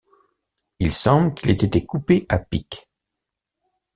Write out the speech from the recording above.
Il semble qu’il ait été coupé à pic.